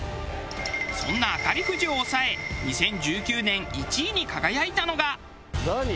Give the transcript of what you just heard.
そんな明り富士を抑え２０１９年１位に輝いたのが。